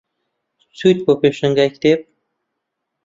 چوویت بۆ پێشانگای کتێب؟